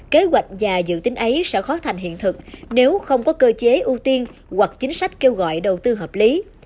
kế hoạch và dự tính ấy sẽ khó thành hiện thực nếu không có cơ chế ưu tiên hoặc chính sách kêu gọi đầu tư hợp lý